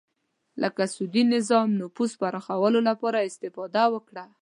لکه سعودي نظام نفوذ پراخولو لپاره استفاده وکړه